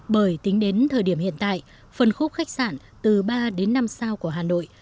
bởi tính đến thời điểm hiện tại phân khúc khách sạn từ ba đến năm sao của hà nội